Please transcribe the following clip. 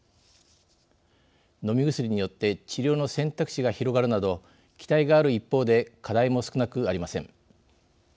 飲み薬によって治療の選択肢が広がるなど期待がある一方で課題も少なくありません。